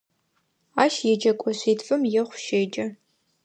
Ащ еджэкӏо шъитфым ехъу щеджэ.